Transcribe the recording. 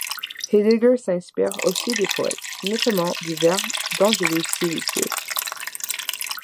Heidegger s'inspire aussi des poètes, notamment du vers d'Angelus Silesius.